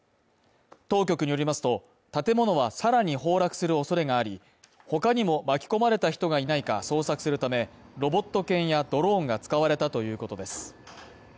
当局によりますと、建物はさらに崩落する恐れがあり、他にも巻き込まれた人がいないか捜索するため、ロボット犬やドローンが使われたということです。